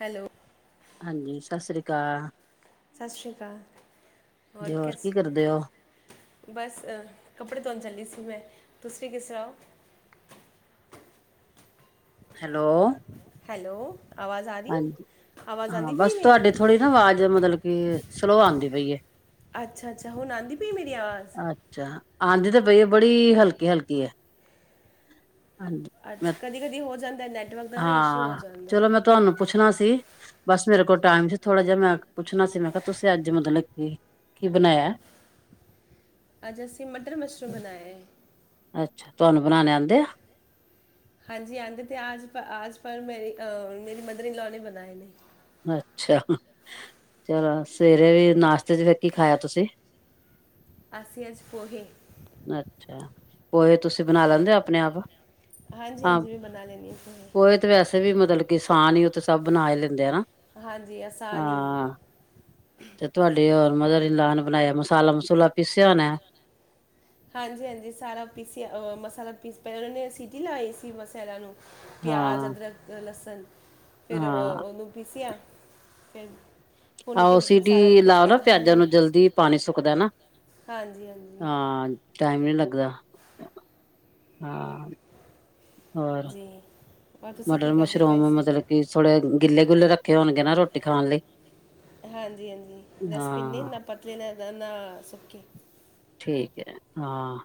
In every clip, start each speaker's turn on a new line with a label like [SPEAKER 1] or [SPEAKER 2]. [SPEAKER 1] Hello
[SPEAKER 2] ਹਾਂਜੀ, ਸਤਿ ਸ੍ਰੀ ਅਕਾਲ।
[SPEAKER 1] ਸਤਿ ਸ਼੍ਰੀ ਅਕਾਲ, ਹੋਰ
[SPEAKER 2] ਜੀ ਕੀ
[SPEAKER 1] ਕਿਸ?
[SPEAKER 2] ਕਰਦੇ ਹੋ
[SPEAKER 1] ਬਸ, ਕੱਪੜੇ ਧੋਣ ਚੱਲੀ ਸੀ ਮੈਂ, ਤੁਸੀਂ ਵੀ ਕਿਸ ਤਰ੍ਹਾਂ ਹੋ
[SPEAKER 2] ਹੈਲੋ
[SPEAKER 1] ਹੈਲੋ ਆਵਾਜ਼ ਆਹੀ
[SPEAKER 2] ਹਾਂਜੀ
[SPEAKER 1] ਆਵਾਜ਼
[SPEAKER 2] ਹਾਂ
[SPEAKER 1] ਆਉਂਦੀ ਫੀ
[SPEAKER 2] ਬਸ
[SPEAKER 1] ਮੇਰੀ
[SPEAKER 2] ਤੁਹਾਡੇ ਥੋੜ੍ਹੀ ਆਵਾਜ਼ ਮਤਲਬ ਕਿ ਸਲੋਅ ਆਉਂਦੀ ਪਈ ਹੈ
[SPEAKER 1] ਅੱਛਾ ਅੱਛਾ ਉਹ ਆਉਦੀ ਪਈ ਮੇਰੀ ਆਵਾਜ਼
[SPEAKER 2] ਅੱਛਾ ਆਉਂਦੀ ਤਾਂ ਪਈ ਹੈ ਬੜੀ ਹਲਕੀ ਹਲਕੀ ਹਾਂਜੀ
[SPEAKER 1] ਅੱਛ
[SPEAKER 2] ਮੈਂ
[SPEAKER 1] ਕਦੀ ਕਦੀ ਹੋ ਜਾਂਦਾ ਨੈਟਵਰਕ ਦਾ ਨਾ ਇਸ਼ੂ ਹੋ
[SPEAKER 2] ਹਾਂ
[SPEAKER 1] ਜਾਂਦਾ
[SPEAKER 2] ਚਲੋ ਮੈਂ ਤੁਹਾਨੂੰ ਪੁੱਛਣਾ ਸੀ ਬਸ ਮੇਰੇ ਕੋਲ ਟਾਈਮ ਸੀ ਥੋੜ੍ਹਾ ਜਿਹਾ ਮੈਂ ਪੁੱਛਣਾ ਸੀ ਮੈਂ ਕਿਹਾ ਤੁਸੀਂ ਅੱਜ ਮਤਲਬ ਕੀ ਕੀ ਬਣਾਇਆ
[SPEAKER 1] ਅੱਜ ਅਸੀਂ ਮਟਰ ਮਸ਼ਰੂਮ ਬਣਾਇਆ ਹੈ
[SPEAKER 2] ਅੱਛਾ ਤੁਹਾਨੂੰ ਬਣਾਉਣੇ ਆਉਂਦੇ ਆ
[SPEAKER 1] ਹਾਂਜੀ ਆਉਂਦੇ ਤੇ ਆਜ ਆਜ ਪਰ ਮੇਰੀ ਅ ਮੇਰੀ ਮਦਰ ਇਨਲੋ ਨੇ ਬਣਾਏ ਨੇ
[SPEAKER 2] ਅੱਛਾ ਚਲੋ ਸਵੇਰੇ ਵੀ ਨਾਸ਼ਤੇ ਚ ਵੇਖੀ ਖਾਇਆ ਤੁਸੀਂ
[SPEAKER 1] ਅਸੀ ਅਜ ਪੋਹੇ
[SPEAKER 2] ਅੱਛਾ ਪੋਹੇ ਤੁਸੀਂ ਬਣਾ ਲੈਂਦੇ ਹੋ ਆਪਣੇ ਆਪ
[SPEAKER 1] ਹਾਂਜੀ
[SPEAKER 2] ਹਾਂ
[SPEAKER 1] ਹਾਂਜੀ ਵੀ ਬਣਾ ਲੈਂਦੀ ਹਾਂ ਤੁਂ
[SPEAKER 2] ਪੋਹੇ ਵੈਸੇ ਵੀ ਮਤਲਬ ਕਿ ਸਾਨ ਹੀ ਉਹ ਤੇ ਸਭ ਬਣਾ ਲੈਂਦੇ ਹਨਾ
[SPEAKER 1] ਹਾਂਜੀ ਆਸਾਨ ਹੀ ਹੈ
[SPEAKER 2] ਹਾਂ ਤੇ ਤੁਹਾਡੇ ਰ ਮਤ ਇ ਲ ਬਣਾਇਆ ਮਸਾਲਾ ਮਸੂਲਾ ਪੀਸਿਆ ਨੇ
[SPEAKER 1] ਹਾਂਜੀ ਹਾਂਜੀ ਸਾਰਾ ਪੀਸਿਆ ਮਸਾਲਾ ਪੀਸ ਪ ਉਹਨਾਂ ਨੇ ਸਟੀ ਲਾਈ ਸੀ ਮਸਾਲਾਂ ਨੂੰ ਪਿਆਜ਼
[SPEAKER 2] ਹਾਂ
[SPEAKER 1] ਅਦਰਕ ਲਸਣ ਫਿਰ
[SPEAKER 2] ਹਾਂ
[SPEAKER 1] ਉਹਨੂੰ ਪੀਸਿਆ ਫ
[SPEAKER 2] ਆਹੋ ਸੀਟੀ ਲਾਓ ਨਾ ਪਿਆਜ਼ਾਂ ਨੂੰ ਜਲਦੀ ਪਾਣੀ ਸੁੱਕਦਾ ਨਾ
[SPEAKER 1] ਹਾਂਜੀ ਹਾਂਜੀ
[SPEAKER 2] ਹਾਂ ਟਾਈਮ ਨਹੀ ਲੱਗਦਾ ਹਾਂ ਹੋਰ
[SPEAKER 1] ਜੀ ਹੋਰ ਤੁਸੀਂ ਕੀ
[SPEAKER 2] ਮਟਰ
[SPEAKER 1] ਕਰਦੇ ਪਏ
[SPEAKER 2] ਮਸ਼ਰੂਮ
[SPEAKER 1] ਸੀ
[SPEAKER 2] ਮਤਲਬ ਕਿ ਥੋੜੇ ਗਿੱਲੇ ਗੁਲੇ ਰੱਖੇ ਹੋਣਗੇ ਨਾ ਰੋਟੀ ਖਾਣ ਲਈ
[SPEAKER 1] ਹਾਂਜੀ ਹਾਂਜੀ ਡਸਟਬਿਨ ਨੇ
[SPEAKER 2] ਹਾਂ
[SPEAKER 1] ਨਾ ਪਤਲੇ ਨੇ ਨਾ ਸੁੱਕੇ
[SPEAKER 2] ਠੀਕ ਹੈ ਹਾਂ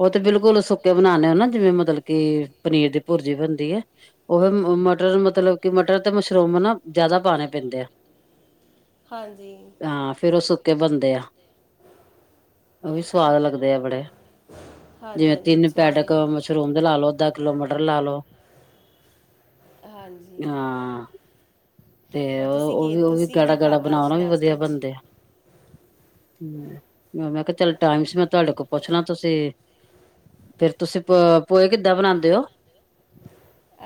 [SPEAKER 2] ਉਹ ਤੇ ਬਿਲਕੁਲ ਸੁੱਕੇ ਬਣਾਦੇ ਹੋ ਨਾ ਜਿਵੇਂ ਮਤਲਬ ਕਿ ਪਨੀਰ ਦੀ ਭੁਰਜੀ ਬਣਦੀ ਹੈ ਉਹ ਮਟਰ ਮਤਲਬ ਕਿ ਮਟਰ ਤੇ ਮਸ਼ਰੂਮ ਨਾ ਜ਼ਿਆਦਾ ਪਾਉਣੇ ਪੈਂਦੇ ਆ
[SPEAKER 1] ਹਾਂਜੀ
[SPEAKER 2] ਹਾਂ ਫਿਰ ਉਹ ਸੁੱਕੇ ਬਣਦੇ ਆ ਉਹ ਵੀ ਸਵਾਦ ਲੱਗਦੇ ਆ ਬੜੇ
[SPEAKER 1] ਹਾਂਜੀ
[SPEAKER 2] ਜਿਵੇਂ
[SPEAKER 1] ਹਾਂਜੀ
[SPEAKER 2] ਤਿੰਨ
[SPEAKER 1] ਸਵਾਦ
[SPEAKER 2] ਪੈਟਕ
[SPEAKER 1] ਨਾਲ
[SPEAKER 2] ਫ ਰੂਮ ਦੇ ਲਾ ਲੋਓ ਅੱਧ ਕਿਲੋਮੀਟਰ ਲਾ ਲ ਲੋ
[SPEAKER 1] ਹਾਂਜੀ
[SPEAKER 2] ਹਾਂ ਤੇ
[SPEAKER 1] ਔਰ
[SPEAKER 2] ਓ
[SPEAKER 1] ਤੁਸੀਂ ਕੀ
[SPEAKER 2] ਓਵੀ ਵੀ ਉਹ ਵੀ
[SPEAKER 1] ਤੁਸੀਂ
[SPEAKER 2] ਗਾੜਾ-
[SPEAKER 1] ਕੀ
[SPEAKER 2] ਗਾੜਾ
[SPEAKER 1] ਖਾਧਾ ਅੱਜ
[SPEAKER 2] ਬਣਾਉ ਵੀ ਵਧੀਆ
[SPEAKER 1] ਨਾਸ਼ਤੇ 'ਚ
[SPEAKER 2] ਬਣਦੇ ਏ। ਮੈਂ ਕਿਹਾ, ਚੱਲ ਟਾਈਮਸ ਮੈਂ ਤੁਹਾਡੇ ਕੋਲ ਪੁੱਛਣਾ ਤੁਸੀਂ ਫੇਰ ਤੁਸੀਂ ਪ ਪੋਏ ਕਿੱਦਾਂ ਬਣਾਉਂਦੇ ਹੋ?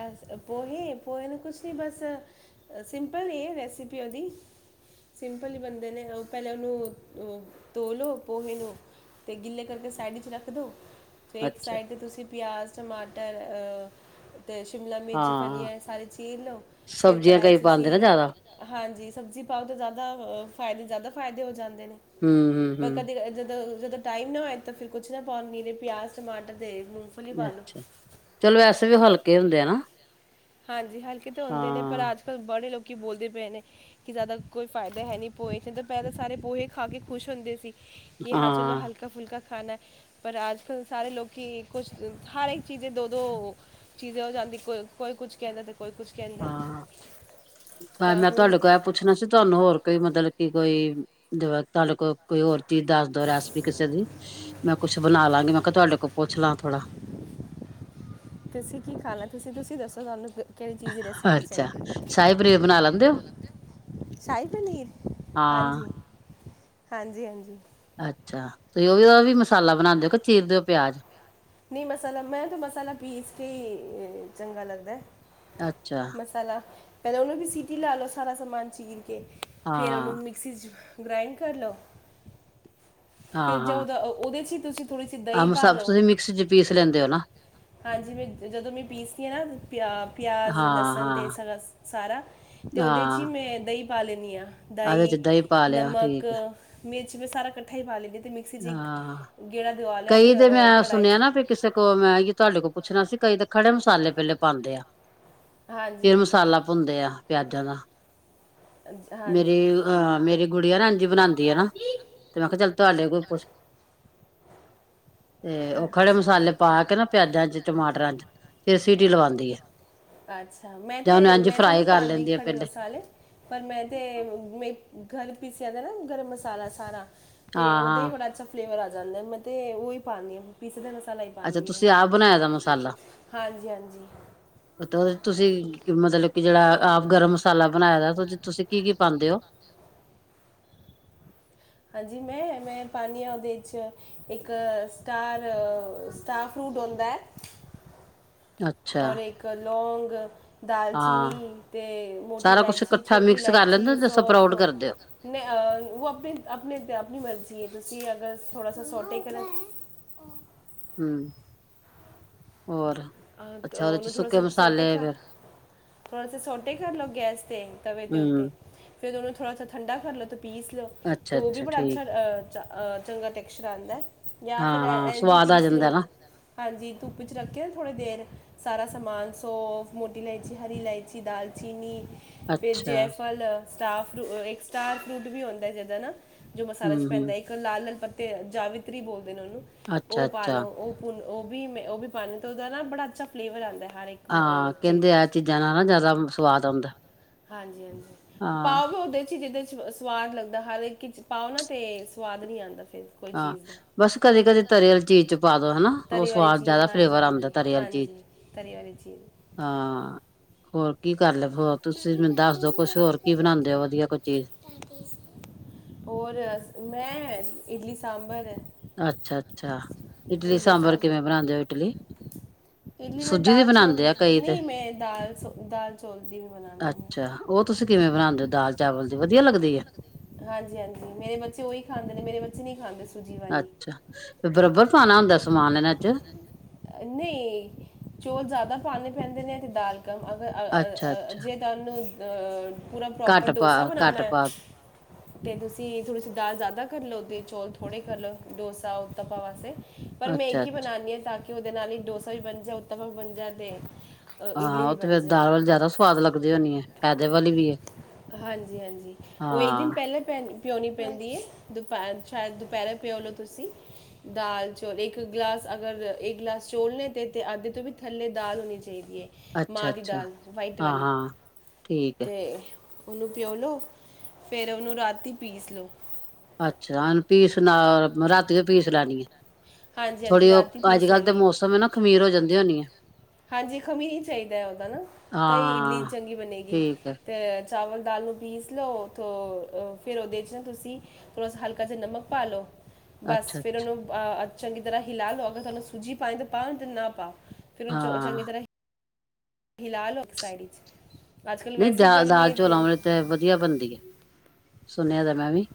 [SPEAKER 1] ਅਸ ਪਏ ਹੈ, ਪਏ ਹੈ ਨਾ ਕੁਛ ਨਹੀਂ ਬੱਸ ਸ ਸਿੰਪਲ ਇਹ ਰੈਸਿਪੀ ਓਦੀ ਸਿੰਪਲ ਬਣਦੇ ਨੇ, ਉਹ ਪਹਿਲਾਂ ਉਹਨੂੰ ਧੋ ਲਓ ਪੋਹੇ ਨੂੰ ਅਤੇ ਗਿੱਲੇੇ ਕਰਕੇ ਸਾਈਡ ਰੱਖ ਦਿਉ ਅਤੇ ਇੱਕ
[SPEAKER 2] ਅੱਛਾ
[SPEAKER 1] ਸਾਈਡ ਤੇ ਤੁਸੀਂ ਪਿਆਜ਼, ਟਮਾਟਰ ਅਤੇ ਸ਼ਿਮਲਾ ਮਿਰਚ,
[SPEAKER 2] ਹਾਂ
[SPEAKER 1] ਫਲੀਆਂ ਸਾਰੀ ਚੀਰ ਲਓ। ਫਿਰ
[SPEAKER 2] ਸਬਜ਼ੀਆਂ
[SPEAKER 1] ਕੜਾਹੀ
[SPEAKER 2] ਕਈ ਪਾਉਂਦੇ ਨਾ ਜ਼ਿਆਦਾ
[SPEAKER 1] ਚਸੀਂ ਹਾਂਜੀ ਸਬਜ਼ੀ ਪਾਓ ਤਾਂ ਜ਼ਿਆਦਾ ਫਾਇਦੇ ਜ਼ਿਆਦਾ ਫਾਇਦੇ ਹੋ ਜਾਂਦੇ ਨੇ
[SPEAKER 2] ਹਮ ਹਮ
[SPEAKER 1] ਪਰ ਕਦੇ
[SPEAKER 2] ਹਮ
[SPEAKER 1] ਜਦੋਂ- ਜਦੋਂ ਟਾਈਮ ਨਾ ਹੋਏ ਤਾਂ ਫਿਰ ਕੁਛ ਨਾ ਪਾਉਣ ਨੀਰੇ ਪਿਆਜ਼, ਟਮਾਟਰ ਦੇ
[SPEAKER 2] ਅੱਛਾ! ਚਲੋ, ਵੈਸੇ ਵੀ ਉਹ ਹਲਕੇ ਹੁੰਦੇ ਆ ਨਾ।
[SPEAKER 1] ਹਾਂਜੀ! ਹਲਕੇ ਤਾਂ ਹੁੰਦੇ ਨੇ ਪਰ
[SPEAKER 2] ਹਾਂ
[SPEAKER 1] ਅੱਜ ਕੱਲ੍ਹ ਬੜੇ ਲੋਕ ਬੋਲਦੇ ਪਏ ਨੇ ਕਿ ਜ਼ਿਆਦਾ ਕੋਈ ਫਾਇਦਾ ਹੈ ਨਹੀਂ, ਪੋਹੇ 'ਚ ਤਾਂ ਪਹਿਲਾਂ ਸਾਰੇ ਪੋਹੇ ਖਾ ਕੇ ਖੁਸ਼ ਹੁੰਦੇ ਸੀ। ਕਿ ਹਾਂ ਚਲੋ ਹਲਕਾ ਹਲਕਾ ਫੁਲਕਾ ਖਾਨਾ ਹੈ। ਪਰ ਆਜ ਕੱਲ ਸਾਰੇ ਲੋਕ ਕਿ ਕੁਛ ਹਰ ਇੱਕ ਚੀਜ਼ੇ ਦੋ- ਦੋ ਚੀਜ਼ ਹੋ ਜਾਂਦੀ। ਕੋ ਕੋਈ ਕੁਛ ਕਹਿੰਦਾ ਤੇ ਕੋਈ ਕੁਛ
[SPEAKER 2] ਹਾਂ
[SPEAKER 1] ਤਾਂ
[SPEAKER 2] ਮੈਂ
[SPEAKER 1] ਹੁਣ
[SPEAKER 2] ਤੁਹਾਡੇ ਕੋਲ ਏ ਪੁ ਪੁੱਛਣਾ ਸੀ। ਤੁਹਾਨੂੰ ਹੋਰ ਕੋਈ ਮਤਲਬ ਕੀ ਕੋਈ ਜਵਾ ਤੁਹਾਡੇ ਕੋਲ ਕੋਈ ਹੋਰ ਚੀਜ਼ ਦੱਸ ਦੋ ਰੈਸਪੀ ਕਿਸੇ ਦੀ ਮੈਂ ਕੁਛ ਬਣਾ ਲਵਾਂਗੀ ਮੈਂ ਕਿਹਾ। ਤੁਹਾਡੇ ਕੋਲ ਪੁੱਛ ਲਾਂ ਥੋੜਾ।
[SPEAKER 1] ਤੁਸੀਂ ਕੀ ਖਾਣਾ, ਤੁਸੀਂ -ਤੁਸੀਂ ਦੱਸੋ ਤੁਹਾਨੂੰ ਕਿਹੜੀ ਚੀਜ਼ ਰਪ ਚਾਹੀ ਸ਼ਆਹੀ ਪਨੀਰ ਬਣਾ ਲੈਂਦੇ ਹੋ। ਸ਼ਾਹੀ ਪਨੀਰ ਹਾਂਜੀ
[SPEAKER 2] ਹਾਂ
[SPEAKER 1] -ਹਾਂਜੀ -ਹਾਂਜੀ
[SPEAKER 2] ਅੱਛਾ! ਤੁਸੀਂ ਉਹ ਵੀ ਉਹਦਾ ਵੀ ਮਸਾਲਾ ਬਣਾਉਂਦੇ ਓ ਕਿ ਚੀਰ ਦੇਓ ਪਿਆਜ
[SPEAKER 1] ਨਹੀਂ ਮਸਾਲਾ ਮੈਂ ਤਾਂ ਮਸਾਲਾ ਪੀਸ ਕੇ ਚੰਗਾ ਲੱਗਦਾ
[SPEAKER 2] ਅੱਛਾ!
[SPEAKER 1] ਮਸਾ ਉਹਨੂੰ ਵੀ ਸੀਟੀ ਲਾ ਲੋਓ। ਸਾਰਾ ਸਮਾਨ ਚੀਨ ਕੇ ਫੇਰ, ਉਹਨੂੰ
[SPEAKER 2] ਹਾਂ
[SPEAKER 1] ਮਿਕਸੀ 'ਚ ਗ੍ਰਾਇੰਡ ਕਰ ਲਓ।
[SPEAKER 2] ਹਾਂ
[SPEAKER 1] ਫਿਰ ਜ
[SPEAKER 2] ਹਾਂ
[SPEAKER 1] ਦਾ ਉਹਦੇ ਚ ਹੀ ਤੁਸੀਂ ਥੋੜ੍ਹੀ ਜਿ ਦਹੀਂ
[SPEAKER 2] ਆਹ
[SPEAKER 1] ਪਾ
[SPEAKER 2] ਸਭ
[SPEAKER 1] ਲਓ
[SPEAKER 2] ਤੁਸੀਂ ਮਿਕਸ ਚ ਪੀਸ ਲੈਂਦੇ ਹੋ ਨਾ
[SPEAKER 1] ਹਾਂਜੀ! ਮੈਂ ਜਦੋਂ ਮੈਂ ਪੀਸਦੀ ਹਾਂ। ਨਾ ਪਿਆ ਪਿਆਜ਼,
[SPEAKER 2] ਹਾਂ
[SPEAKER 1] ਲਸਣ ਅਤੇ
[SPEAKER 2] ਹਾਂ
[SPEAKER 1] ਸਰਸ ਸਾਰਾ ਤੇ ਉਹਦੇ ਚ ਹੀ
[SPEAKER 2] ਹਾਂ
[SPEAKER 1] ਮੈਂ ਦਹੀਂ ਪਾ ਲੈਂਦੀ ਹਾਂ।
[SPEAKER 2] ਆਹ ਵਿੱਚ
[SPEAKER 1] ਦਹੀਂ
[SPEAKER 2] ਪਾ ਲਿਆ
[SPEAKER 1] ਨਮਕ
[SPEAKER 2] ਠੀਕ ਹੈ।
[SPEAKER 1] ਮਿਰਚ ਮਸਾਲ ਇਕੱਠਾ ਹੀ ਪਾ ਲੈਦੀ ਅਤੇ ਮਿਕਸੀ ਚ ਇੱਕ
[SPEAKER 2] ਹਾਂ
[SPEAKER 1] ਗੇੜਾ ਦਵਾ ਲਿਆ।
[SPEAKER 2] ਕਈ
[SPEAKER 1] ਫਿਰ
[SPEAKER 2] ਤੇ ਮੈਂ
[SPEAKER 1] ਕੜਾਹੀ
[SPEAKER 2] ਸੁਣਿਆ ਨਾ
[SPEAKER 1] 'ਚ
[SPEAKER 2] ਵੀ ਕਿਸੇ ਕੋਲ ਮੈਂ ਤੁਹਾਡੇ ਕੋਲ ਪੁੱਛਣਾ ਸੀ। ਕਈ ਤਾਂ ਖੜੇ ਮਸਾਲੇ ਪੇਲੇ ਪਾਉਂਦੇ ਆ।
[SPEAKER 1] ਹਾਂਜੀ
[SPEAKER 2] ਫਿਰ
[SPEAKER 1] ਹਾਂਜੀ
[SPEAKER 2] ਮਸਾਲਾ ਭੁੰਦੇ ਆ ਪਿਆਜਾਂ ਦਾ,
[SPEAKER 1] ਅਜ-
[SPEAKER 2] ਮੇਰੇ
[SPEAKER 1] ਹਾਂਜੀ
[SPEAKER 2] ਅਹ ਮੇਰੇ ਗੁੜੀਆ ਰਣਜੀ ਬਣਾਉਂਦੀ ਆ। ਨਾ ਤੇ ਮੈਂ ਕਿਹਾ ਚੱਲ ਤੁਹਾਡੇ ਕੋਈ ਪੁਛ ਤੇ ਉਹ ਖੜੇ
[SPEAKER 1] ਅੱਛਾ
[SPEAKER 2] ਮਸਾਲੇ ਪਾ ਕੇ ਨਾ ਪਿਆਜਾਂ ਚ, ਟਮਾਟਰਾਂ ਚ ਫੇਰ ਸੀਟੀ ਲਵਾਉਂਦੀ ਏ।
[SPEAKER 1] ਅੱਛਾ! ਮੈਂ ਤੇ ਮੈਂ ਤੇ ਨਹੀਂ
[SPEAKER 2] ਕਰ
[SPEAKER 1] ਪਾਉਂਦੀ,
[SPEAKER 2] ਲੈਂਦੀ ਆ
[SPEAKER 1] ਖੜੇ
[SPEAKER 2] ਪਹਿਲੇ
[SPEAKER 1] ਮਸਾਲੇ ਪਰ ਮੈਂ ਤੇ, ਮੈਂ ਘਰ ਪੀਸਿਆ ਤਾਂ ਨਾ ਗਰਮ ਮਸਾਲਾ। ਸਾਰਾ ਅਤੇ
[SPEAKER 2] ਹਾਂ
[SPEAKER 1] ਉਹਦਾ ਵੀ
[SPEAKER 2] ਹਾਂ
[SPEAKER 1] ਬੜਾ ਅੱਛਾ ਫਲੇਵਰ ਆ ਜਾਂਦਾ। ਮੈਂ ਤੇ ਉਹ ਹੀ ਪਾਉਣੀ ਆ। ਪੀਸ ਦਾ ਮਸਾਲਾ ਹੀ
[SPEAKER 2] ਅੱਛਾ
[SPEAKER 1] ਪਾਉਂਦੀ ਹਾਂ।
[SPEAKER 2] ਤੁਸੀਂ ਆਪ ਬਣਾਇਆ ਦਾ ਮਸਾਲਾ
[SPEAKER 1] ਹਾਂਜੀ- ਹਾਂਜੀ
[SPEAKER 2] ਤੇ ਉਹਦੇ ਤੁਸੀਂ ਮਤਲਬ ਕਿ ਜਿਹੜਾ ਆਪ ਗਰਮ ਮਸਾਲਾ ਬਣਾਇਆ ਦਾ ਉਹਦੇ ਤੁਸੀਂ ਕੀ- ਕੀ ਪਾਉਂਦੇ ਹੋ।
[SPEAKER 1] ਹਾਂਜੀ! ਮੈਂ -ਮੈਂ ਪਾਦੀ ਹਾਂ। ਉਹਦੇ 'ਚ ਇੱਕ ਸਟਾਰ ਤਾਂ ਫਰੂਟ ਆਦਾ
[SPEAKER 2] ਅੱਛਾ
[SPEAKER 1] ਔਰ ਇੱਕ ਲੌਗ ਦਾਲਚੀਨੀ
[SPEAKER 2] ਹਾਂ
[SPEAKER 1] ਅਤੇ ਮੋਟੀ
[SPEAKER 2] ਸਾਰਾ ਕੁਛ
[SPEAKER 1] ਇਲਾਇਚੀ,
[SPEAKER 2] ਇਕੱਠਾ
[SPEAKER 1] ਛੋਟੀ
[SPEAKER 2] ਮਿਕਸ ਕਰ
[SPEAKER 1] ਇਲਾਇਚੀ,
[SPEAKER 2] ਲੈਂਦੇ ਤੇ
[SPEAKER 1] ਸੌਂਫ
[SPEAKER 2] ਸਪਰਾਊਟ ਕਰਦੇ ਹੋ
[SPEAKER 1] ਨਹੀਂ ਉਹ ਆਪਣੇ ਆਪਣੇ ਆਪਣੀ ਮਰਜ਼ੀ ਹੈ ਤੁਸੀਂ ਅਗਰ ਥੋੜ੍ਹਾ ਸੌ ਸੋਟੇ ਕਰਨ।
[SPEAKER 2] ਹਮ ਹੋਰ।
[SPEAKER 1] ਆਹ
[SPEAKER 2] ਅੱਛਾ ਉਹਦੇ ਚ
[SPEAKER 1] ਉਹਨੂੰ ਥੋੜਾ,
[SPEAKER 2] ਸੁੱਕੇ
[SPEAKER 1] ਸਾ ਸੋਟੇ
[SPEAKER 2] ਮਸਾਲੇ
[SPEAKER 1] ਕਰ
[SPEAKER 2] ਫਿਰ
[SPEAKER 1] ਥੋੜਾ ਸੇ ਸੋਟੇ ਕਰ ਲਓ ਗੈਸ ਤੇ, ਤਵੇ ਤੇ
[SPEAKER 2] ਹਮ
[SPEAKER 1] ਉਤੇ। ਫਿਰ ਉਨਾਂ ਥੋੜ੍ਹਾ ਸਾ ਠੰਡਾ ਕਰ ਲਉ ਅਤੇ ਪੀਸ ਲਓ
[SPEAKER 2] ਅੱਛਾ
[SPEAKER 1] ਤਾਂ ਉਹ ਵੀ ਬੜਾ
[SPEAKER 2] ਠੀਕ
[SPEAKER 1] ਅੱਛਾ ਅ ਚੰਗਾ ਟੈਕਸਚਰ ਆਉਂਦਾ, ਜਾਂ ਫਿਰ
[SPEAKER 2] ਹਾਂ-ਹਾਂ
[SPEAKER 1] ਇੰਝ ਹੀ
[SPEAKER 2] ਸਵਾਦ ਆ
[SPEAKER 1] ਪੀਸ
[SPEAKER 2] ਜਾਂਦਾ
[SPEAKER 1] ਲਓ।
[SPEAKER 2] ਨਾ
[SPEAKER 1] ਹਾਂਜੀ ਧੁੱਪ 'ਚ ਰੱਖਿਆ। ਥੋੜੀ ਦੇਰ ਸਾਰਾ ਸਮਾਨ ਸੌਂਫ, ਮੋਟੀ ਇਲਾਇਚੀ, ਹਰੀ ਇਲਾਇਚੀ, ਦਾਲਚੀਨੀ। ਫ਼ੇਰ
[SPEAKER 2] ਅੱਛਾ
[SPEAKER 1] ਜੈਫਲ, ਸਟਾਰ ਫੂ ਇੱਕ ਸਟਾਰ ਫਰੂਟ ਵੀ ਆਉਂਦਾ ਜਿਦਾ ਨਾ। ਜੋ ਮਸਾਲਾ 'ਚ
[SPEAKER 2] ਹੂੰ-ਹੂੰ
[SPEAKER 1] ਪੈਂਦਾ ਇੱਕ ਲਾਲ ਲਾਲ ਪੱਤੇ, ਜਾਵਿਤਰੀ ਬੋਲਦੇ ਨੇ ਉਹਨੂੰ ਉਹ ਪਾ
[SPEAKER 2] ਅੱਛਾ-ਅੱਛਾ
[SPEAKER 1] ਲਉ। ਉਹ ਉਹ ਵੀ ਉਹ ਵੀ ਪਾਉਣੀ ਉਹਦਾ ਨਾ ਬੜਾ ਅੱਛਾ ਫਲੇਵਰ ਆਉਦਾ ਹੈ। ਹਰ ਇੱਕ ਮ- ਅਹ
[SPEAKER 2] ਹਾਂ
[SPEAKER 1] ਚੀਜ਼
[SPEAKER 2] ਕਹਿੰਦੇ ਆ
[SPEAKER 1] ਵਿੱਚ
[SPEAKER 2] ਚੀਜ਼ਾਂ ਨਾਲ ਨਾ ਜ਼ਿਆਦਾ ਸਵਾਦ ਆਉਂਦਾ।
[SPEAKER 1] ਹਾਂਜੀ- ਹਾਂਜੀ ਪਾਓ ਵੀ,
[SPEAKER 2] ਹਾਂ-ਹਾਂ
[SPEAKER 1] ਉਹਦੇ ਚ, ਹੀ ਜਿਹਦੇ ਚ ਸਵਾਦ ਲੱਗਦਾ। ਹਰ ਇਕ ਵਿਚ ਪਾਓ ਨਾ ਤੇ ਸਵਾਦ ਨਹੀਂ ਆਉਂਦਾ। ਫਿਰ ਕੋਈ ਚੀਜ਼ ਦਾ
[SPEAKER 2] ਬਸ ਕਦੇ-ਕਦੇ ਤਰੀ ਆਲੀ ਚੀਜ਼ ਚ ਪਾ ਦੋ ਹਨਾ ਉਹ
[SPEAKER 1] ਤਰੀ ਵਾਲੀ
[SPEAKER 2] ਸਵਾਦ
[SPEAKER 1] ਚੀਜ਼
[SPEAKER 2] ਜ਼ਿਆਦਾ
[SPEAKER 1] ਹਾਂਜੀ
[SPEAKER 2] ਫਲੇਵਰ
[SPEAKER 1] ਹਾਂਜੀ
[SPEAKER 2] ਆਉਂਦਾ ਤਰੀ ਆਲੀ ਚੀਜ਼
[SPEAKER 1] -ਹਾਂਜੀ,
[SPEAKER 2] ਚ।
[SPEAKER 1] ਤਰੀ ਵਾਲੀ ਚੀਜ਼
[SPEAKER 2] ਹਾਂ ਹੋਰ ਕੀ ਗੱਲ ਕਰੋ ਹੋਰ ਤੁਸੀਂ
[SPEAKER 1] ਮੰਮੀ
[SPEAKER 2] ਮੈਨੂੰ ਦੱਸ
[SPEAKER 1] ਦਾਦੀ
[SPEAKER 2] ਦੋ,
[SPEAKER 1] ਜੀ
[SPEAKER 2] ਕੁਛ ਹੋਰ
[SPEAKER 1] ਕਰ
[SPEAKER 2] ਕੀ ਬਣਾਉਂਦੇ
[SPEAKER 1] ਰਹੇ
[SPEAKER 2] ਹੋ ਵਧੀਆ ਕੋਈ ਚੀਜ਼।
[SPEAKER 1] ਦਾਦੀ ਹੋਰ, ਮੈਂ, ਇਡਲੀ ਸਾਂਭਰ
[SPEAKER 2] ਅੱਛਾ, ਅੱਛਾ ਇਡਲੀ, ਸਾਂਬਰ ਕਿਵੇਂ ਬਣਾਉਂਦੇ ਹੋ, ਇਡਲੀ?
[SPEAKER 1] ਸਾਂਬਰ ਇਡਲੀ ਮੈਂ
[SPEAKER 2] ਸੂਜੀ ਦੀ
[SPEAKER 1] ਦਾਲ, ਚੌਲ,
[SPEAKER 2] ਬਣਾਉਂਦੇ ਆ ਕਈ ਤੇ
[SPEAKER 1] ਨਹੀਂ ਮੈਂ ਦਾਲ ਦਾਲ ਚੌਲ ਦੀ ਵੀ ਬਣਾਨੀ ਹਾਂ।
[SPEAKER 2] ਅੱਛਾ ਉਹ ਤੁਸੀਂ ਕਿਵੇਂ ਬਣਾਉਂਦੇ ਹੋ, ਦਾਲ ਚਾਵਲ ਦੀ ਵਧੀਆ ਲੱਗਦੀ ਹੈ।
[SPEAKER 1] ਹਾਂਜੀ ਹਾਂਜੀ ਮੇਰੇ ਬੱਚੇ ਉਹੀ ਖਾਂਦੇ ਨੇ, ਮੇਰੇ ਬੱਚੇ ਨਹੀਂ ਖਾਂਦੇ। ਸੂਜੀ ਵਾਲੀ
[SPEAKER 2] ਅੱਛਾ, ਤੇ ਬਰਾਬਰ ਪਾਉਣਾ ਹੁੰਦਾ ਸਮਾਨ ਇਹਨਾਂ 'ਚ।
[SPEAKER 1] ਨਹੀਂ ਚੌਲ ਜ਼ਿਆਦਾ ਪਾਉਣੇ ਪੈਂਦੇ ਨੇ ਤੇ ਦਾਲ ਕਮ,
[SPEAKER 2] ਅੱਛਾ-ਅੱਛਾ
[SPEAKER 1] ਅਗਰ ਜੇ। ਤੁਹਾਨੂੰ ਪੂਰਾ ਪ੍ਰੋਪਰ
[SPEAKER 2] ਘੱਟ ਪਾ
[SPEAKER 1] ਡੋਸਾ ਬਣਾਉਣਾ
[SPEAKER 2] ਘੱਟ
[SPEAKER 1] ਹੈ।
[SPEAKER 2] ਪਾ
[SPEAKER 1] ਤੇ ਤੁਸੀਂ ਥੋੜ੍ਹੀ ਸੀ ਦਾਲ ਜ਼ਿਆਦਾ ਕਰ ਲਓ ਤੇ ਚੌਲ ਥੋੜੇ ਕਰ ਲਓ, ਡੋਸਾ, ਉਤਪਾ ਵਾਸਤੇ। ਪਰ ਮੈਂ
[SPEAKER 2] ਅੱਛਾ
[SPEAKER 1] ਇੱਕ ਹੀ ਬਣਾਉਣੀ ਹਾਂ, ਤਾਂ ਕਿ ਉਹਦੇ ਨਾਲ ਹੀ ਡੋਸਾ ਵੀ ਬਣ ਜਾਏ, ਉੱਤਪਮ ਵੀ ਬਣ ਜਾ ਤੇ ਇਡਲੀ
[SPEAKER 2] ਹਾਂ ਉਹ
[SPEAKER 1] ਵੀ
[SPEAKER 2] ਤੇ
[SPEAKER 1] ਬਣ
[SPEAKER 2] ਫਿਰ
[SPEAKER 1] ਜਾਏ
[SPEAKER 2] ਦਾਲ ਵਾਲੀ ਜ਼ਿਆਦਾ ਸਵਾਦ ਲੱਗਦੇ ਹੋਣੇ ਆ, ਫਾਇਦੇ ਵਾਲੀ ਵੀ ਹੈ।
[SPEAKER 1] ਹਾਂਜੀ, ਹਾਂਜੀ ਉਹ ਇੱਕ ਦਿਨ
[SPEAKER 2] ਹਾਂ
[SPEAKER 1] ਪਹਿਲਾਂ ਪੈ। ਪਿਉਣੀ ਪੈਂਦੀ ਏ ਦੁਪਹਿਰ ਚਾਹੇ ਦੁਪਹਿਰੇ ਪਿਓ ਲਓ ਤੁਸੀਂ। ਦਾਲ, ਚੋਲ ਇੱਕ ਗਲਾਸ ਅਗਰ, ਇੱਕ ਗਲਾਸ ਚੋਲ ਨੇ ਤੇ ਅੱਧ ਤੋਂ ਵੀ ਥੱਲੇ ਦਾਲ ਹੋਣੀ ਚਾਹੀਦੀ ਏ।
[SPEAKER 2] ਅੱਛਾ
[SPEAKER 1] ਮਾਹ ਦੀ
[SPEAKER 2] ਅੱਛਾ
[SPEAKER 1] ਦਾਲ ਵਾਈਟ
[SPEAKER 2] ਹਾਂ
[SPEAKER 1] ਵਾਲੀ
[SPEAKER 2] ਹਾਂ ਠੀਕ ਹੈ
[SPEAKER 1] ਤੇ ਉਹਨੂੰ ਪਿਓ ਲ‌ਓ ਫੇਰ ਉਹਨੂੰ ਰਾਤੀ ਪੀਸ ਲਓ।
[SPEAKER 2] ਅੱਛਾ ਹੁਣ ਪੀਸ ਨਾਲ ਰਾਤੀ ਪੀਸ ਲੈਣੀ ਏ।
[SPEAKER 1] ਹਾਂਜੀ ਹਾਂਜੀ
[SPEAKER 2] ਥੋੜੀ ਓਹ
[SPEAKER 1] ਰਾਤੀ ਪੀਸ
[SPEAKER 2] ਅੱਜ-ਕੱਲ ਤੇ
[SPEAKER 1] ਲੈਣੀ ਹੈ
[SPEAKER 2] ਮੌਸਮ ਨਾ ਖ਼ਮੀਰ ਹੋ ਜਾਂਦੀ ਹੋਣੀ ਐ।
[SPEAKER 1] ਹਾਂਜੀ ਖਮੀ ਹੀ ਚਾਹੀਦੈ ਉਹ ਤਾਂ ਨਾ ਤਾਈ ਇਡਲੀ
[SPEAKER 2] ਹਾਂ
[SPEAKER 1] ਚੰਗੀ ਬਣੇਗੀ।
[SPEAKER 2] ਠੀਕ ਹੈ
[SPEAKER 1] ਤੇ ਚਾਵਲ, ਦਾਲ ਨੂੰ ਪੀਸ ਲਓ ਤੋਂ ਫਿਰ ਉਹਦੇ ਚ ਨਾ ਤੁਸੀਂ ਫੇਰ ਉਸ ਚ ਹਲਕਾ ਜਾ ਨਮਕ ਪਾ ਲੋ। ਬਸ
[SPEAKER 2] ਅੱਛਾ
[SPEAKER 1] ਫੇਰ ਉਹਨੂੰ ਅਹ ਚੰਗੀ ਤਰ੍ਹਾਂ ਹਿਲਾ ਲਓ, ਅਗਰ ਤੁਹਾਨੂੰ ਸੂਜੀ ਪਾਨੀ ਤੇ ਪਾਣ, ਨਹੀਂ ਤੇ ਨਾ ਪਾਉ। ਫਿਰ ਓਹਨੂੰ ਚੋ
[SPEAKER 2] ਹਾਂ
[SPEAKER 1] ਚੰਗੀ ਤਰ੍ਹਾਂ ਹਿਲਾ ਲ‌ਓ ਇਕ ਸਾਈਡ ਚ। ਅੱਜ ਕੱਲ੍ਹ
[SPEAKER 2] ਨ‌ਈ
[SPEAKER 1] ਵੈਸੇ
[SPEAKER 2] ਦਾ
[SPEAKER 1] ਹੀ ਗਰਮੀ
[SPEAKER 2] ਦਾਲ
[SPEAKER 1] ਹੈ
[SPEAKER 2] ਚੋਲਾ ਵਾਲੀ ਤੇ ਵਧੀਆ ਬਣਦੀ ਏ, ਸੁਣਿਆ ਹੋਇਆ ਮੈਂ ਵੀ।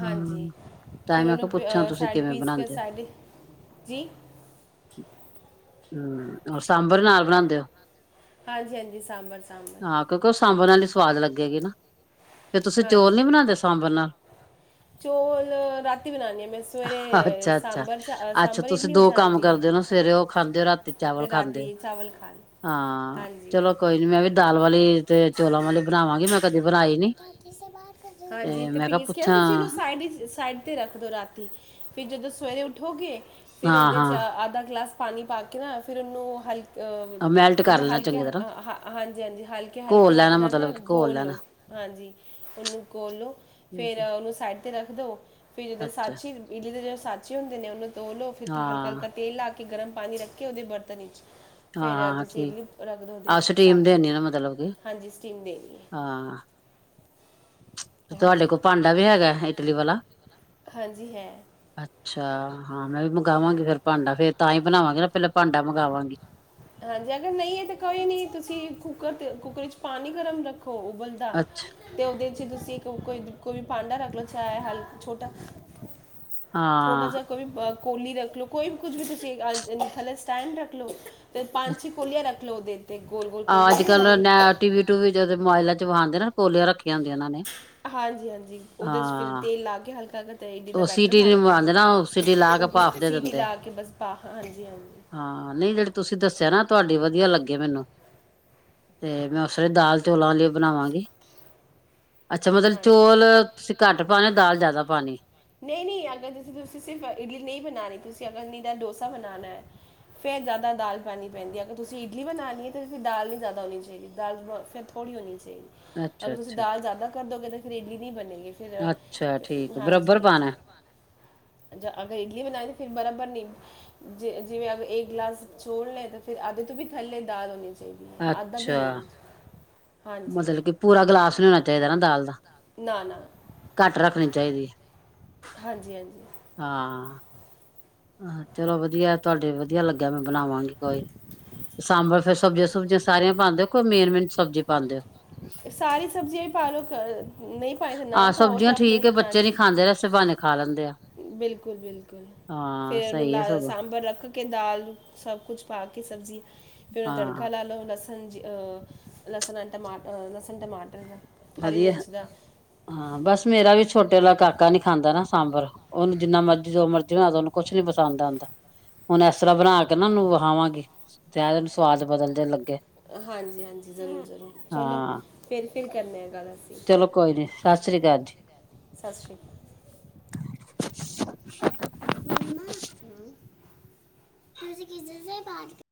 [SPEAKER 1] ਹਾਂਜੀ,
[SPEAKER 2] ਹਾਂ ਤਾਂ
[SPEAKER 1] ਫੇਰ
[SPEAKER 2] ਮੈਂ
[SPEAKER 1] ਉਹਨੂੰ
[SPEAKER 2] ਕਿਹਾ
[SPEAKER 1] ਪ
[SPEAKER 2] ਪੁੱਛਾਂ ਤੁਸੀਂ
[SPEAKER 1] ਸਾਈਡ
[SPEAKER 2] ਕਿਵੇਂ
[SPEAKER 1] ਪੀਸ ਕੇ
[SPEAKER 2] ਬਣਾਉਂਦੇ ਹੋ
[SPEAKER 1] ਸਾਡ ਜੀ।
[SPEAKER 2] ਹੂੰ, ਓਹ ਸਾਂਬਰ ਨਾਲ ਬਣਾਦੇ ਓ।
[SPEAKER 1] ਹਾਂਜੀ-ਹਾਂਜੀ, ਸਾਂਬਰ ਚ।
[SPEAKER 2] ਹਾਂ, ਕਿਉਂਕਿ ਓਹ ਸਾਂਬਰ ਨਾਲ ਹੀ ਸਵਾਦ ਲੱਗੇਗੀ ਨਾ, ‌ਤੇ ਤੁਸੀਂ ਚੌਲ
[SPEAKER 1] ਹਾਂਜੀ
[SPEAKER 2] ਨੀ ਬਣਾਦੇ ਸਾਂਬਰ ਨਾਲ?
[SPEAKER 1] ਚੌਲ ਰਾਤੀ ਬਣਾਨੀ ਆ ਮੈਂ ਸਵੇਰੇ
[SPEAKER 2] ਅੱਛਾ ਅੱਛਾ
[SPEAKER 1] ਸਾਂਬਰ,
[SPEAKER 2] ਅੱਛਾ
[SPEAKER 1] ਸਾਂਬਰ
[SPEAKER 2] ਤੁਸੀਂ
[SPEAKER 1] ਇਡਲੀ ਹੋ
[SPEAKER 2] ਦੋ ਕੰਮ
[SPEAKER 1] ਜਾਂਦੀ ਏ।
[SPEAKER 2] ਕਰਦੇ ਹੋ ਨਾ ਸਵੇਰੇ ਉਹ ਖਾਦੇ ਓ, ਰਾਤੀ ਚਾਵਲ ਖਾਦੇ ਓ,
[SPEAKER 1] ਚਾਵਲ ਖਾਣ
[SPEAKER 2] ਹਾਂ।
[SPEAKER 1] ਹਾਂਜੀ
[SPEAKER 2] ਚਲੋ ਕੋਈ ਨੀ ਮੈਂ ਵੀ ਦਾਲ ਵਾਲੀ ਤੇ ਚੋਲਾਂ ਵਾਲੀ ਬਣਾਵਾਂਗੀ ਮੈਂ ਕਦੇ ਬਣਾਈ ਨੀ।
[SPEAKER 1] ਹਾਂਜੀ, ਤੇ
[SPEAKER 2] ਮੈਂ ਕਿਹਾ
[SPEAKER 1] ਪੀਸ ਕੇ ਨਾ
[SPEAKER 2] ਪੁੱਛਾਂ
[SPEAKER 1] ਤੁਸੀਂ ਉਹਨੂੰ ਨੂੰ ਸਾਈਡ ਸਾਈਡ, ਰੱਖਦੋ ਰਾਤੀ, ਫਿਰ ਜਦੋਂ ਸਵੇਰੇ ਉੱਠੋਗੇ ਫਿਰ
[SPEAKER 2] ਹਾਂ
[SPEAKER 1] ਓਦੇ ਚ
[SPEAKER 2] ਹਾਂ
[SPEAKER 1] ਅੱਧਾ ਗਲਾਸ ਪਾਣੀ ਪਾ ਕੇ ਠ ਨਾ ਫਿਰ ਉਹਨੂੰ ਹਲਕੇ ਅਹ
[SPEAKER 2] ਮੈਲਟ ਕਰ
[SPEAKER 1] ਮਤਲਬ
[SPEAKER 2] ਲੈਣਾ
[SPEAKER 1] ਹਲਕੇ
[SPEAKER 2] ਚੰਗੀ ਤਰ੍ਹਾਂ
[SPEAKER 1] ਹਾਂਜੀ ਹਾਂਜੀ ਹਲਕੇ ਹਲਕੇ
[SPEAKER 2] ਘੋਲ
[SPEAKER 1] ਹੱਥ
[SPEAKER 2] ਲੈਣਾ
[SPEAKER 1] ਨਾਲ ਨਾ
[SPEAKER 2] ਮਤਲਬ ਕਿ ਘੋਲ
[SPEAKER 1] ਗੋਲ
[SPEAKER 2] ਲੈਣਾ
[SPEAKER 1] ਹਾਂਜੀ ਉਹਨੂੰ ਖੋਲੋ
[SPEAKER 2] ਠੀਕ
[SPEAKER 1] ਫਿਰ ਉਹਨੂੰ ਸਾਈਡ 'ਤੇ ਰੱਖ ਦਿਉ ਫਿਰ
[SPEAKER 2] ਹੈ
[SPEAKER 1] ਜਦੋਂ
[SPEAKER 2] ਅੱਛਾ
[SPEAKER 1] ਸਾਚੀ ਇਲੀ ਦੇਿਹੜੇਾਚੇ ਹੁੰ ਨੇਨੂੰੋਲੋ ਫਿਰ ਹਲਕਾ
[SPEAKER 2] ਹਾਂ
[SPEAKER 1] ਹਲਕਾਾ ਤੇਲਾ ਕੇ ਕਿ ਗਰਮ ਪਾਣੀ ਰੱਖੇ ਉਹਦੇ ਬਰਤਨ ਵਿੱਚ ਫੇਰ
[SPEAKER 2] ਹਾਂ
[SPEAKER 1] ਤੁਸੀਂ
[SPEAKER 2] ਠੀਕ
[SPEAKER 1] ਇਡਲੀ ਰੱਖ ਦਿਉ ਉਹਦੇ
[SPEAKER 2] ਆਹ
[SPEAKER 1] '
[SPEAKER 2] ਸਟੀਮ
[SPEAKER 1] ਸਭ
[SPEAKER 2] ਦੇਣੀ ਨਾ ਮਤਲਬ ਕਿ
[SPEAKER 1] ਹਾਂਜੀ ਸਟੀਮ ਦੇਣੀ ਹੈ
[SPEAKER 2] ਹਾਂ
[SPEAKER 1] ਹਾਂਜੀ
[SPEAKER 2] ਤੁਹਾਡੇ ਕੋਲ ਭਾਂਡਾ ਵੀ ਹੈਗਾ ਇਟਲੀ ਵਾਲਾ
[SPEAKER 1] ਹਾਂਜੀ ਹੈ
[SPEAKER 2] ਅੱਛਾ ਹਾਂ ਮੈਂ ਵੀ ਮੰਗਵਾਂਗੀ ਫੇਰ ਭਾਂਡਾ ਫੇਰ ਤਾਂ ਹੀ ਬਣਾਵਾਂਗੇ ਨਾ ਪਹਿਲਾਂ ਭਾਂਡਾ ਮੰਗਵਾਂਗੀ
[SPEAKER 1] ਹਾਂਜੀ ਅਗਰ ਨਹੀਂ ਹੈ ਤਾਂ ਕੋਈ ਨੀ ਤੁਸੀਂ ਕੁੂੱਕਰ ਤੇ ਕੁੱਕਰ ਚ ਪਾਣੀ ਗਰਮ ਰੱਖੋ ਉਬਲ ਦਾ ਤੇ ਉਹਦੇ ਚ ਤੁਸੀਂ ਕੋਈ ਕੋਈ ਵੀ ਭਾਂਡਾ ਰੱਖ ਲੋ ਚਾਹੇ ਹਲ ਛੋਟਾ। ਛੋਟਾ
[SPEAKER 2] ਹਾਂ
[SPEAKER 1] ਜਾ ਕੋਈ ਵੀ ਬਾ ਕੋਲੀ ਰੱਖ ਲਓ ਕੋਈ ਕੁਛ ਵੀ ਤੁਸੀਂ ਅ ਥੱਲੇ ਸਟੈਂਡ ਰੱਖ ਲਓ। ਤੇ ਪੰਜ-ਛੇ ਕੋਲੀਆਂ ਰੱਖ ਲਓ ਉਹਦੇ ਉੱਤੇ ਗੋਲ-ਗੋਲ ਕੋਲੀਆਂ ਨੀ ਹੁੰਦੀਆਂ।
[SPEAKER 2] ਟੀ ਵੀ ਟੂਵੀ ਜਦ ਮੋਬਾਇਲਾ ਚ ਓ ਆਉਂਦੇ ਨਾ। ਕੋਲੀਆ ਰੱਖੀਆਂ ਹੁੰਦੀਆਂ। ਉਹਨਾਂ ਨੇ
[SPEAKER 1] ਹਾਂਜੀ-ਹਾਂਜੀ, ਉਦੇ ਚ ਫਿਰ
[SPEAKER 2] ਹਾਂ
[SPEAKER 1] ਤੇਲ ਲਾ ਕੇ ਹਲਕਾ ਕਰ ਤੇ [unintelligible]
[SPEAKER 2] ਉਹ ਸੀਟੀ
[SPEAKER 1] ਬੈਟਰ
[SPEAKER 2] ਲਵਾਂਦੇ ਨਾ ਉਹ ਸੀਟੀ ਲਾ ਕੇ ਭਾਫ
[SPEAKER 1] [unintelligible]
[SPEAKER 2] ਦੇ
[SPEAKER 1] ਸੀਟੀ
[SPEAKER 2] ਦਿੰਦੇ ਆ
[SPEAKER 1] ਲਾ ਕੇ ਬਸ ਹਾਂਜੀ-ਹਾਂਜੀ,
[SPEAKER 2] ਹਾਂ, ਨਹੀਂ ਜਿਹੜੇ ਤੁਸੀਂ ਦੱਸਿਆ ਨਾ ਤੁਹਾਡੀ ਵਧੀਆ ਲੱਗੇ ਮੈਨੂੰ। ਤੇ ਮੈਂ ਉਸ ਲਈ ਦਾਲ ਚੋਲਾਂ ਲਈ ਬਣਾਵਾਂਗੀ। ਅੱਛਾ, ਮਤਲਬ
[SPEAKER 1] ਹਾਂਜੀ
[SPEAKER 2] ਚੋਲ ਤੁਸੀਂ ਘੱਟ ਪਾਣੇ ਦਾਲ ਜ਼ਿਆਦਾ ਪਾਣੀ ਐ।
[SPEAKER 1] ਨਹੀਂ-ਨਹੀਂ, ਅਗਰ ਤੁਸੀਂ ਸਿਰਫ ਇਡਲੀ ਨਹੀਂ ਬਣਾਣੀ ਤੁਸੀਂ ਅਗਰ ਡੋਸਾ ਬਣਾਣਾ। ਫੇਰ ਜ਼ਿਆਦਾ ਦਾਲ ਪਾਣੀ ਪੈਂਦੀ ਐ। ਅਗਰ ਤੁਸੀਂ ਇਡਲੀ ਬਣਾਣੀ ਐ ਤਾਂ ਫਿਰ ਦਾਲ ਨੀ ਜ਼ਿਆਦਾ ਹੋਣੀ ਚਾਹੀਦੀ ਦਾਲ ਫਿਰ ਥੋੜੀ ਹੋਣੀ ਚਾਹੀਦੀ।
[SPEAKER 2] ਅੱਛਾ
[SPEAKER 1] ਅਗਰ ਤੁਸੀਂ
[SPEAKER 2] ਅੱਛਾ
[SPEAKER 1] ਦਾਲ ਜ਼ਿਆਦਾ ਕਰ ਦੋਗੇ ਤਾਂ ਫਿਰ ਇਡਲੀ ਨਹੀਂ ਬਣੇਗੀ ਫਿਰ
[SPEAKER 2] ਅੱਛਾ ਠੀਕ ਬਰਾਬਰ
[SPEAKER 1] ਹਾਂਜੀ।
[SPEAKER 2] [unintelligible]
[SPEAKER 1] ਅਗਰ ਇਡਲੀ ਬਣਾਈ ਤਾਂ ਫਿਰ ਬਰਾਬਰ ਨੀ। ਜੇ ਜਿਵੇਂ ਅਗਰ ਇੱਕ ਗਿਲਾਸ ਚੋਲ ਲਏ ਤਾਂ ਫਿਰ ਅੱਧੇ ਤੋਂ ਵੀ ਥੱਲੇ ਦਾਲ ਹੋਣੀ, ਚਾਹੀਦੀ ਆ ਅੱਧਾ ਵੀ
[SPEAKER 2] ਅੱਛਾ
[SPEAKER 1] ਨੀ,
[SPEAKER 2] ਮਤਲਬ ਕਿ ਪੂਰਾ ਗਿਲਾਸ ਨਹੀਂ ਹੋਣਾ ਚਾਹੀਦਾ ਨਾ ਦਾਲ ਦਾ।
[SPEAKER 1] ਨਾ-ਨਾ,
[SPEAKER 2] ਘੱਟ ਰੱਖਣੀ ਚਾਹੀਦੀ।
[SPEAKER 1] ਹਾਂਜੀ-ਹਾਂਜੀ,
[SPEAKER 2] ਹਾਂ, ਹਾਂ, ਚਲੋ ਵਧੀਆ ਤੁਹਾਡੇ ਵਧੀਆ ਲੱਗਿਆ ਮੈਂ ਬਣਾਵਾਂਗੀ ਕੋਈ ਸਾਂਬਰ ਫਿਰ ਸਬਜ਼ੀਆਂ ਸੁਬਜ਼ੀਆਂ ਸਾਰੀਆਂ ਪਾਂਦੇ ਓ ਕੇ ਮੇਨ-ਮੇਨ ਸਬਜ਼ੀ ਪਾਂਦੇ ਓ।
[SPEAKER 1] ਸਾਰੀ ਸਬਜ਼ੀਆਂ ਵੀ ਪਾ ਲੋ ਨਹੀਂ ਪਾਣੀ ਤੇ ਨਾ
[SPEAKER 2] ਆਹ
[SPEAKER 1] ਪਾਓ ਤੇ
[SPEAKER 2] ਸਬਜ਼ੀਆਂ ਠੀਕ
[SPEAKER 1] ਆਪਣੇ
[SPEAKER 2] ਹੈ ਬੱਚੇ ਨੀ
[SPEAKER 1] ਹਾਂਜੀ
[SPEAKER 2] ਖਾਂਦੇ ਰਸੇ ਬਹਾਨੇ ਖਾ ਲੈਂਦੇ ਆ।
[SPEAKER 1] ਬਿਲਕੁਲ-ਬਿਲਕੁਲ,
[SPEAKER 2] ਹਾਂ
[SPEAKER 1] ਫਿਰ ਉਹਨੂੰ
[SPEAKER 2] ਸਹੀ ਹੈ
[SPEAKER 1] ਲਾ
[SPEAKER 2] ਸਗੋਂ
[SPEAKER 1] ਸਾਂਬਰ ਰੱਖ ਦਾਲ ਸਭ ਕੁੱਛ ਪਾ ਕੇ ਸਬਜ਼ੀ ਫੇਰ ਉਹੇ
[SPEAKER 2] ਹਾਂ
[SPEAKER 1] ਤੜਕਾ ਲਾ ਲਓ ਉਹਦਾ। ਹਾਂਜੀ, ਅ ਲਸਣ ਅਂ ਟਮ ਲਸਣ ਟਮਟਰ ਦਾ। ਹਰੀ
[SPEAKER 2] ਵਧੀਆ
[SPEAKER 1] ਮਿਰਚ ਦਾ
[SPEAKER 2] ਹਾਂ ਬਸ ਮੇਰਾ ਵੀ ਛੋਟੇ ਵਾਲ ਕਾਕਾ ਨੀ ਖਾਂਦਾ ਨਾ ਸਾਂਬਰ। ਉਹਨੂੰ ਜਿੰਨਾ ਮਰਜ਼ੀ ਜੋ ਮਰਜ਼ੀ ਬਣਾ ਦੋ ਉਹਨੂੰ ਕੁਛ ਨੀ ਪਸੰਦ ਆਂਦਾ। ਹੁਣ ਇਸ ਤਰ੍ਹਾਂ ਬਣਾ ਕੇ ਨਾ ਉਹਨੂੰ ਵਖਾਵਾਂਗੀ ਤੇ ਸਵਾਦ ਬਦਲ ਦੇ ਲੱਗੇ।
[SPEAKER 1] ਹਾਂਜੀ-ਹਾਂਜੀ, ਜ਼ਰੂਰ-ਜ਼ਰੂਰ ਚਲੋ
[SPEAKER 2] ਹਾਂ
[SPEAKER 1] ਫੇਰ ਫਿਰ ਕਰਨੇ ਆ ਗੱਲ।
[SPEAKER 2] ਚਲੋ ਕੋਈ ਨੀ, ਸਤਿ ਸ੍ਰੀ ਅਕਾਲ ਜੀ।
[SPEAKER 1] ਸਤਿ ਸ਼੍ਰੀ ਅਕਾਲ, [unintelligible]